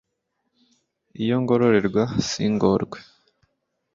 Iyo ngororerwa singorwe